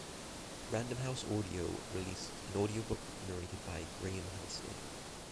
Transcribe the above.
Random House Audio released an audiobook narrated by Graham Halstead.